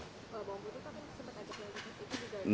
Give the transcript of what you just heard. bawang putih apa yang sempat anda terima